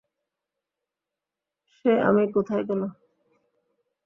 সে আমি কোথায় গেল?